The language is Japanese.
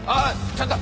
ちょっと！